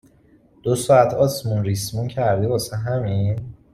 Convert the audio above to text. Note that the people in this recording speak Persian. دو ساعت آسمون ریسمون کردی واسه همین؟